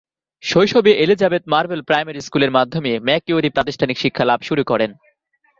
শৈশবে Elizabeth marble primary স্কুলের মাধ্যমে ম্যাক ইউরি প্রাতিষ্ঠানিক শিক্ষালাভ শুরু করেন।